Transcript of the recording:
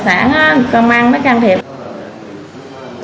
cơ quan công an không có điều trị gì hết